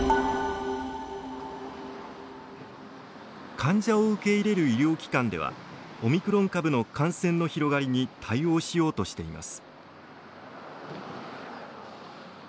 患者を受け入れる医療機関ではオミクロン株の感染の広がりに対応しようとしています。